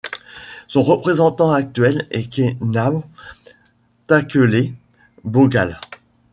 Son représentant actuel est Kenaw Takele Bogale.